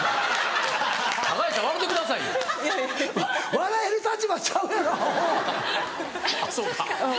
笑える立場ちゃうやろアホ。